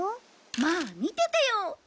まあ見ててよ。